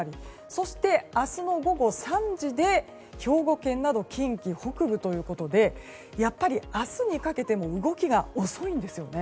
そして明日の午後３時で兵庫県など近畿北部ということでやっぱり、明日にかけての動きが遅いんですよね。